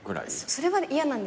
それはね